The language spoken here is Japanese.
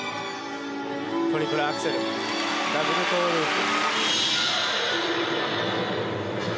トリプルアクセルダブルトウループ。